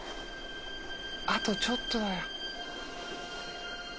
あとちょっとだよ。